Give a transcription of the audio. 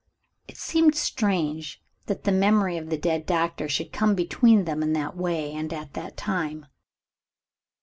It seemed strange that the memory of the dead Doctor should come between them in that way, and at that time.